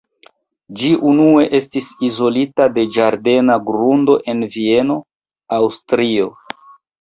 Ĝi unue estis izolita de ĝardena grundo en Vieno, Aŭstrio.